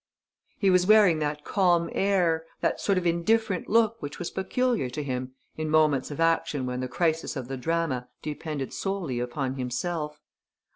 He was wearing that calm air, that sort of indifferent look which was peculiar to him in moments of actions when the crisis of the drama depended solely upon himself.